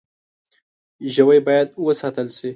ژوی باید وساتل شي.